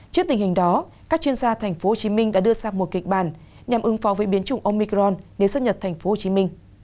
trước tình hình đó các chuyên gia tp hcm đã đưa sang một kịch bản nhằm ứng phó với biến chủng omicron nếu xuất nhật tp hcm